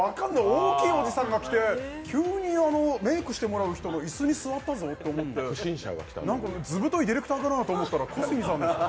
大きいおじさんが来て急にメークしてもらう人の椅子に座ったと思ったら図太いディレクターかなと思ったら小杉さんでした。